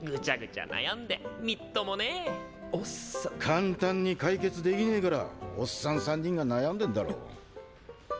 簡単に解決できねぇからオッサン３人が悩んでんだろう。っ！